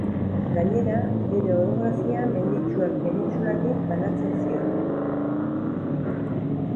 Gainera, bere orografia menditsuak penintsulatik banatzen zion.